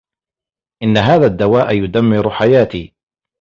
إنّ هذا الدّواء يدمّر حياتي.